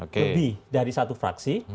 lebih dari satu fraksi